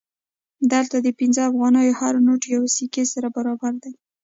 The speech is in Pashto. دلته د پنځه افغانیو هر نوټ یوې سکې سره برابر دی